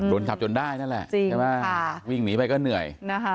โดนจับจนได้นั่นแหละวิ่งหนีไปก็เหนื่อย